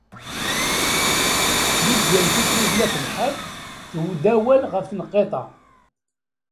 Lidya n Tifrit n At Lḥaǧ tuwey-d awal ɣef tenqiḍt-a.